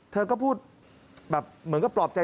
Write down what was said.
เธอก็พูดแบบเหมือนกับปลอบใจ